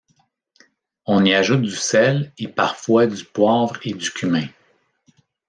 On y ajoute du sel et parfois du poivre et du cumin.